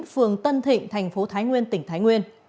phường tân thịnh tp thái nguyên tỉnh thái nguyên